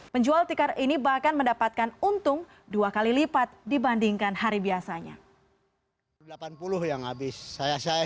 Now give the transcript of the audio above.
penjual tikar ini bahkan mendapatkan untung dua kali lipat dibandingkan hari biasanya